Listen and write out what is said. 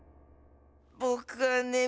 ぼくはね